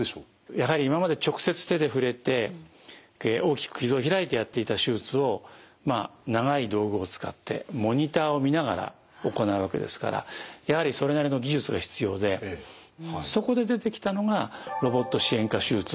やはり今まで直接手で触れて大きく傷を開いてやっていた手術を長い道具を使ってモニターを見ながら行うわけですからやはりそれなりの技術が必要でそこで出てきたのがロボット支援下手術ということになるんですね。